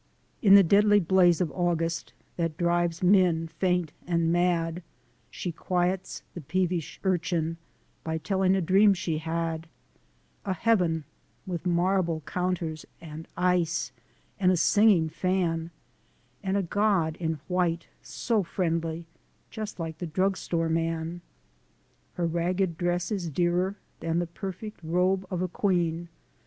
In the deadly blaze of August, That drives men faint and mad, She quiets the peevish urchin By telling a dream she had A Heaven with marble counters And ice, and a singing fan, And a God in white, so friendly Just like the drugstore man. Her ragged dress is dearer Than the perfect robe of a queen!